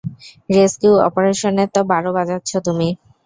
Rescue অপারেশনের তো বারো বাজাচ্ছ তুমি।